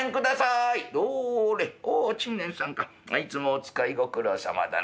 いつもお使いご苦労さまだな。